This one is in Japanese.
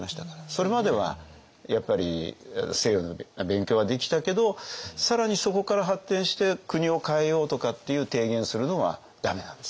それまではやっぱり西洋の勉強はできたけど更にそこから発展して国を変えようとかっていう提言するのは駄目なんですよ。